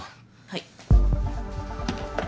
はい。